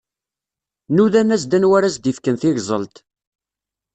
Nudan-as-d anwa ara s-d-ifken tigẓelt.